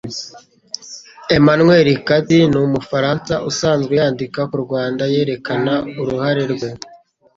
Emmanuel Cattier ni umufaransa usanzwe yandika ku Rwanda yerekana uruhare rwe